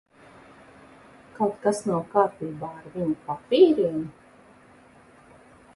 Kaut kas nav kārtībā ar viņa papīriem?